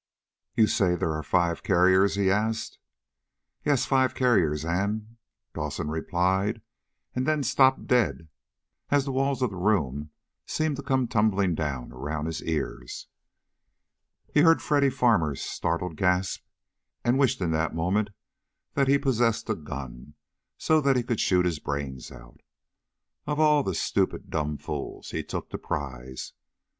"You say there are five carriers?" he asked. "Yes, five carriers and " Dawson replied, and then stopped dead as the walls of the room seem to come tumbling down around his ears. He heard Freddy Farmer's startled gasp, and wished in that moment that he possessed a gun so that he could shoot his brains out. Of all the stupid, dumb fools, he took the prize.